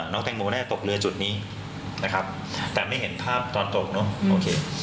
น้องแตงโมน่าจะตกเรือจุดนี้แต่ไม่เห็นภาพตอนตก